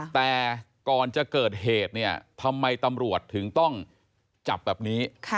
แต่ก่อนจะเกิดเหตุเนี่ยทำไมตำรวจถึงต้องจับแบบนี้